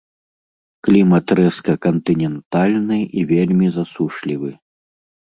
Клімат рэзка-кантынентальны і вельмі засушлівы.